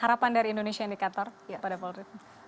harapan dari indonesia indikator pada polri